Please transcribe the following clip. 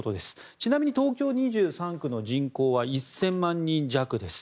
ちなみに東京２３区の人口は１０００万人弱です。